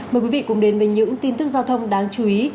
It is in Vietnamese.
mời quý vị cùng đến với những tin tức giao thông đáng chú ý